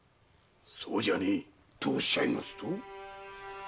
そうじゃねぇとおっしゃいますと？